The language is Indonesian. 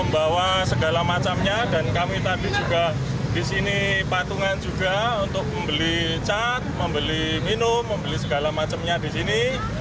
bawa segala macamnya dan kami tadi juga disini patungan juga untuk membeli cat membeli minum membeli segala macamnya disini